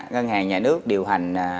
ngân hàng nhà nước điều hành